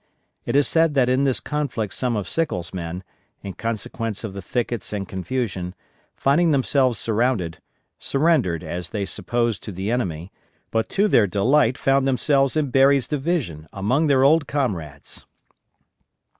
It is said that in this conflict some of Sickles' men, in consequence of the thickets and confusion, finding themselves surrounded, surrendered as they supposed to the enemy, but to their delight found themselves in Berry's division, among their old comrades.